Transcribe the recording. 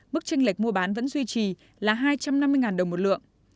bức tranh lệch mua bán vẫn duy trì là hai trăm năm mươi đồng một lượng